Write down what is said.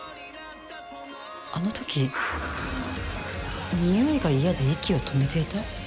あの時においが嫌で息を止めていた？